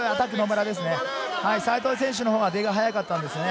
西藤選手のほうが出が速かったんですね。